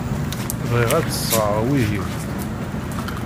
Bɣiɣ ad d-sɣeɣ wihin.